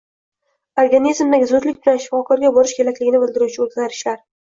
Organizmdagi zudlik bilan shifokorga borish kerakligini bildiruvchi o’zgarishlar